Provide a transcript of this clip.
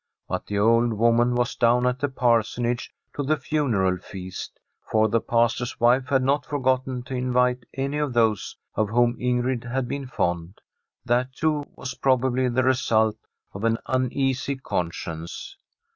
But the old woman was down at the Parsonage to the funeral feast, for the Pastor's wife had not forgot ten to invite any of those of whom Ingrid had been fond. That, too, was probably the result of an uneasy conscience.